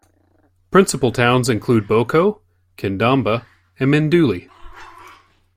Principal towns include Boko, Kindamba and Mindouli.